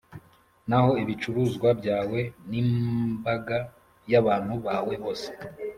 Naho ibicuruzwa byawe n imbaga y abantu bawe bose